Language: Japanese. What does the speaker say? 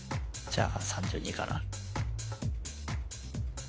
じゃあ３２かな